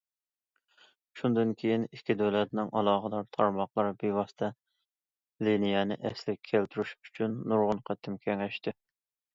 شۇندىن كېيىن ئىككى دۆلەتنىڭ ئالاقىدار تارماقلىرى بىۋاسىتە لىنىيەنى ئەسلىگە كەلتۈرۈش ئۈچۈن نۇرغۇن قېتىم كېڭەشتى.